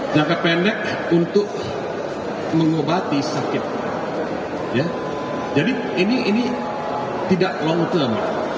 jangka pendek untuk mengobati sakit ya jadi ini tidak long term